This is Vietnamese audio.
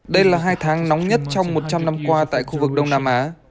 đây là hai tháng nóng nhất trong một trăm linh năm qua tại khu vực đông nam á